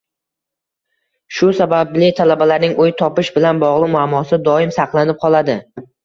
Shu sababli talabalarning uy topish bilan bogʻliq muammosi doim saqlanib qoladi.